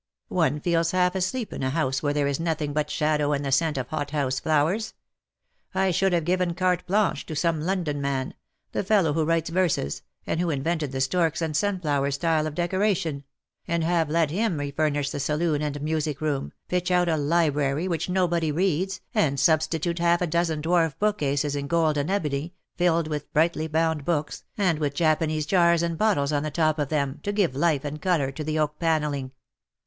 One feels half asleep in a house where there is nothing but shadow and the scent of hothouse flowers. I should have given carte blanche to some London man — the fellow who writes verses, and who invented the storks and sunflower style of decoration — and have let him refurnish the saloon and music room, pitch out a library which nobody reads, and substitute half a dozen dwarf book cases in gold and ebony, filled with brightly bound books, and with Japanese jars and bottles on the top of them to give life and colour to the oak panelling.